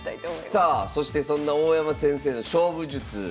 さあそしてそんな大山先生の勝負術。